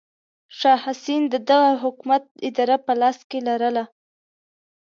شاه حسین د دغه حکومت اداره په لاس کې لرله.